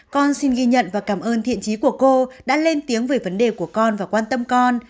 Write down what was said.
con xin ghi nhận và cảm ơn thiện trí của cô đã lên tiếng về vấn đề của con và quan tâm con